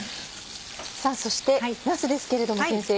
さぁそしてなすですけれども先生。